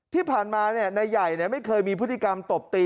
ที่ผ่านมานายใหญ่ไม่เคยมีพฤติกรรมตบตี